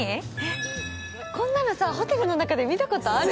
こんなのホテルの中で見たことある？